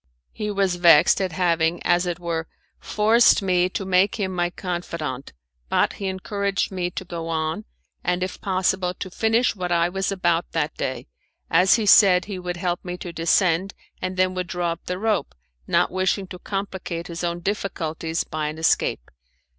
He was vexed at having as it were forced me to make him my confidant, but he encouraged me to go on, and if possible to finish what I was about that day, as he said he would help me to descend and then would draw up the rope, not wishing to complicate his own difficulties by an escape.